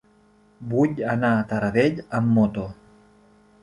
Vull anar a Taradell amb moto.